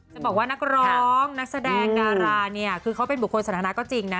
จะบอกว่านักร้องนักแสดงดาราเนี่ยคือเขาเป็นบุคคลสถานะก็จริงนะ